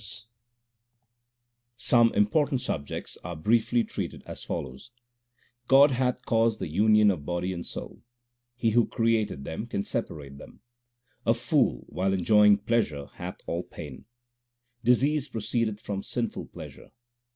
HYMNS OF GURU NANAK 281 Some important subjects are briefly treated as follows : God hath caused the union of body and soul ; He who created them can separate them. A fool while enjoying pleasure hath all pain : Disease proceedeth from sinful pleasure.